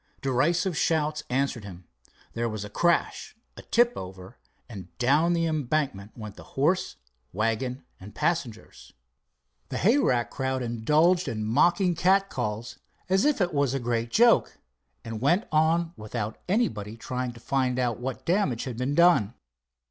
Derisive shouts answered him. There was a crash, a tip over, and down the embankment went horse, wagon and passengers. The hayrack crowd indulged in mocking cat calls as if it was a great joke, and went on without anybody trying to find out what damage had been done.